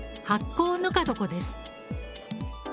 発酵ぬかどこです。